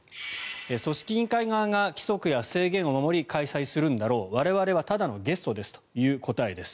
組織委員会側が規則や制限を守り開催するんだろう我々はただのゲストですという答えです。